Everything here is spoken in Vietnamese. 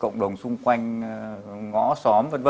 cộng đồng xung quanh ngõ xóm v v